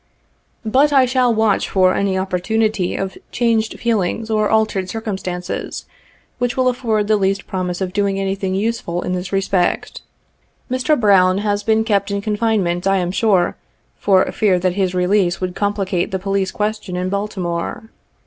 But I shall watch for 73 any opportunity of changed feelings or altered circumstances, which will afford the least promise of doing anything useful in this respect. Mr. Brown has been kept in confinement, I am sure, for fear that his release would complicate the police question in Baltimore.